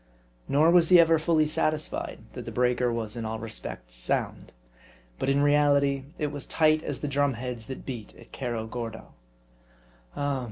Nor was he ever fully satisfied, that the breaker was in all respects sound. But in reality it was tight as the drum heads that beat at Cerro Gordo. Oh!